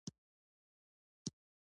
موبایل کله ناکله خرابېږي.